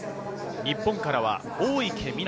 日本からは大池水杜。